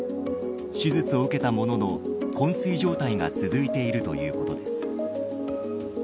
手術を受けたものの昏睡状態が続いているということです。